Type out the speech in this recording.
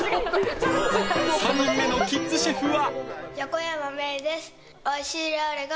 ３人目のキッズシェフは。